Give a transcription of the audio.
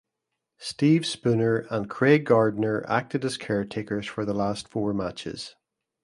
Steve Spooner and Craig Gardner acted as caretakers for the last four matches.